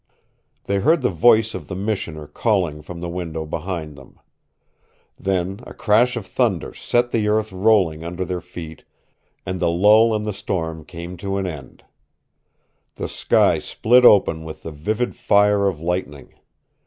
They heard the voice of the Missioner calling from the window behind them. Then a crash of thunder set the earth rolling under their feet, and the lull in the storm came to an end. The sky split open with the vivid fire of lightning.